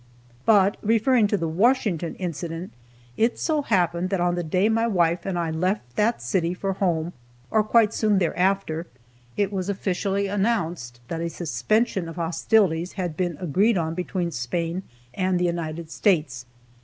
But, (referring to the Washington incident,) it so happened that on the day my wife and I left that city for home, or quite soon thereafter, it was officially announced that a suspension of hostilities had been agreed on between Spain and the United States.